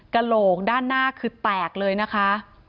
กระโหลกด้านหน้าคือแตกเลยนะคะ